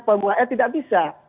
eh tidak bisa